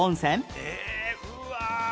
えうわ！